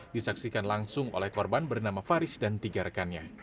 disaksikan langsung oleh korban bernama faris dan tiga rekannya